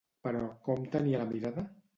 Però com tenia la mirada?